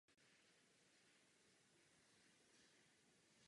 Měl anglické a německé předky.